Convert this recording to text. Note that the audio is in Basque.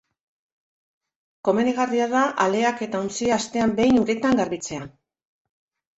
Komenigarria da aleak eta ontzia astean behin uretan garbitzea.